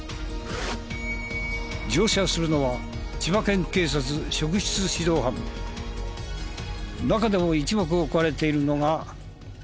乗車するのは中でも一目置かれているのが。